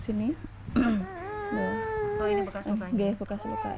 oh ini bekas lukanya